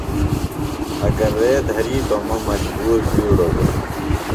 اگر رے دھریتوۡ مہ مجبور بیڈُوۡ دےۡ۔